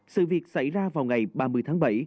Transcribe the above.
sự việc xảy ra vào ngày ba mươi tháng bảy